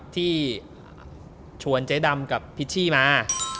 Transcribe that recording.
ที่ชวนเจ๊ดำกับพิชชี่มา